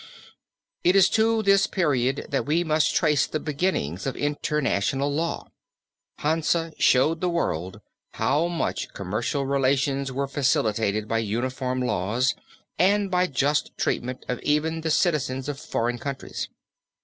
It is to this period that we must trace the beginnings of international law. Hansa showed the world how much commercial relations were facilitated by uniform laws and by just treatment of even the citizens of foreign countries.